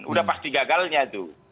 udah pasti gagalnya tuh